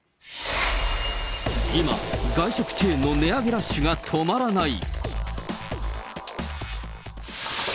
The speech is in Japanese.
今、外食チェーンの値上げラッシュが止まらない。